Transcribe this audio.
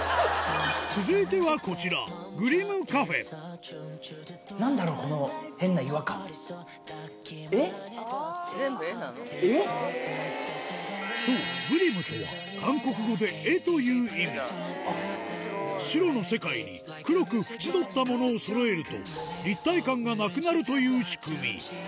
続いてはこちらそうグリムとは韓国語で「絵」という意味白の世界に黒く縁取ったものをそろえるとという仕組み